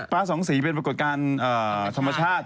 ฟ้าสองสีเป็นปรากฎการธรรมชาติ